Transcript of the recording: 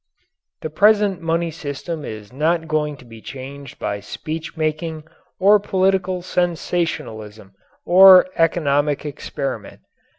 The present money system is not going to be changed by speech making or political sensationalism or economic experiment.